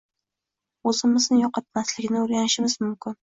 o‘zimizni yo‘qotmaslikni o‘rganishimiz mumkin.